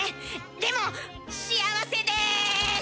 でも幸せです！